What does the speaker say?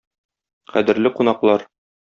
Кадерле кунаклар!